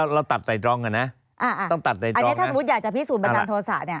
เราตัดใดดรองกันนะอันนี้ถ้าสมมติอยากจะพิสูจน์บันดาลโทษะ